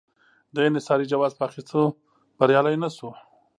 د انحصاري جواز په اخیستو بریالی نه شو.